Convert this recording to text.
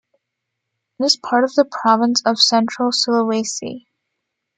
It is part of the province of Central Sulawesi.